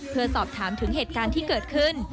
เพื่อสอบถามถึงเหตุการณ์ที่เกิดขึ้น